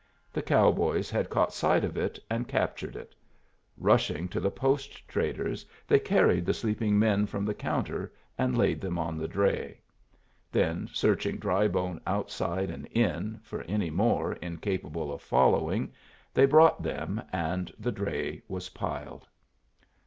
The cow boys had caught sight of it and captured it. Rushing to the post trader's, they carried the sleeping men from the counter and laid them on the dray. Then, searching Drybone outside and in for any more incapable of following, they brought them, and the dray was piled.